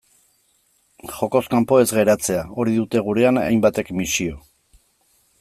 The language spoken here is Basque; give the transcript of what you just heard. Jokoz kanpo ez geratzea, hori dute gurean hainbatek misio.